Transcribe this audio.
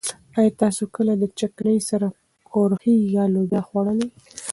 ايا تاسو کله د چکنۍ سره کورخې يا لوبيا خوړلي؟